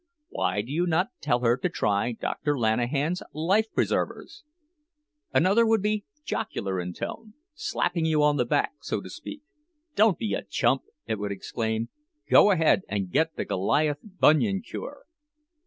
Why do you not tell her to try Dr. Lanahan's Life Preservers?" Another would be jocular in tone, slapping you on the back, so to speak. "Don't be a chump!" it would exclaim. "Go and get the Goliath Bunion Cure."